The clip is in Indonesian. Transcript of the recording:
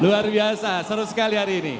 luar biasa seru sekali hari ini